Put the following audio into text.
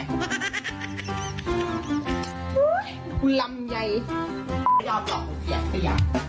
มันกูลำใย